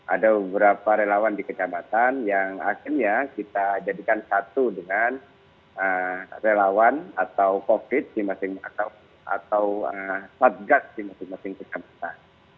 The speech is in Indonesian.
ada beberapa relawan di kecamatan yang akhirnya kita jadikan satu dengan relawan atau covid sembilan belas di masing masing kecamatan